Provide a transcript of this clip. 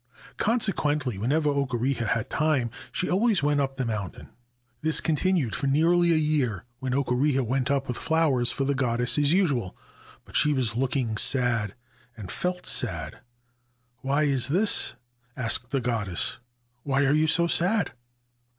Conse quently, whenever Okureha had time she always went up the mountain. This continued for nearly a year, when Okureha went up with flowers for the goddess as usual ; but she was looking sad, and felt sad. * Why is this ?' asked the goddess. ' Why are you so sad